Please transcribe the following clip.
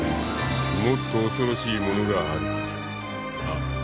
［もっと恐ろしいものがあるはず］